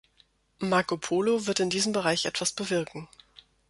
Marco Polo wird in diesem Bereich etwas bewirken.